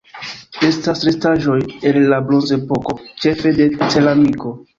Estas restaĵoj el la Bronzepoko, ĉefe de ceramiko.